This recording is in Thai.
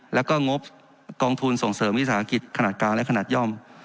และก็งบกองทุนส่งเสริมวิทยาศาสตร์อังกฤษขนาดกลางและขนาดย่อม